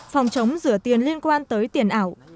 phòng chống rửa tiền liên quan tới tiền ảo